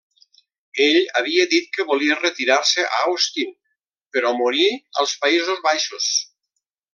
Ell havia dit que volia retirar-se a Austin però morir als Països Baixos.